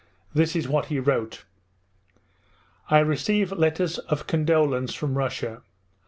This is what he wrote: 'I receive letters of condolence from Russia.